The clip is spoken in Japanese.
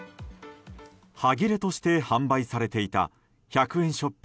はぎれとして販売されていた１００円ショップ